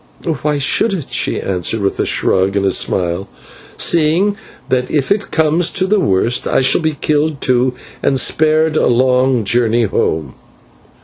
"Why should it," she answered, with a shrug and a smile, "seeing that if it comes to the worst, I shall be killed also and spared a long journey home?"